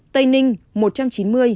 tây ninh một trăm chín mươi